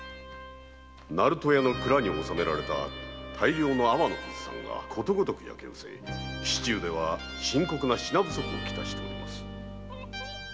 鳴門屋の蔵に納められた大量の物産がすべて焼けうせ市中では深刻な品不足となっております